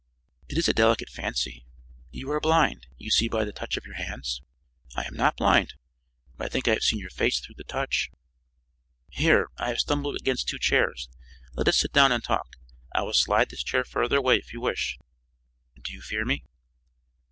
"It is a delicate fancy. You are blind? You see by the touch of your hands?" "I am not blind, but I think I have seen your face through the touch." "Here! I have stumbled against two chairs. Let us sit down and talk. I will slide this chair farther away if you wish. Do you fear me?"